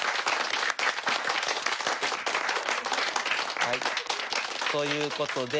はいということで。